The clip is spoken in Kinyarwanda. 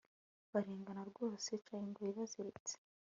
barengana rwose, ca ingoyi ibaziritse